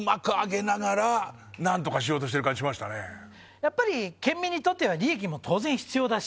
笋辰僂県民にとっては利益も当然必要だし△